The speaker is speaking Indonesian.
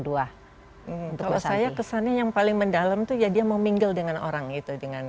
buat saya kesannya yang paling mendalam itu ya dia mau mingle dengan orang itu